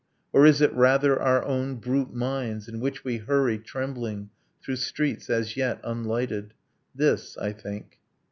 Or is it rather Our own brute minds, in which we hurry, trembling, Through streets as yet unlighted? This, I think.